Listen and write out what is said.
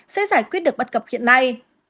sẽ giải quyết được bất cập hiện nay